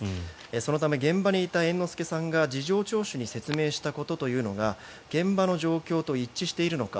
そのため現場にいた猿之助さんが事情聴取に説明したことというのが現場の状況と一致しているのか。